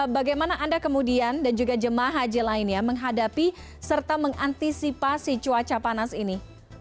bagaimana anda kemudian dan juga jemaah haji lainnya menghadapi serta mengantisipasi cuaca panas ini